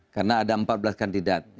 karena ada empat belas kandidat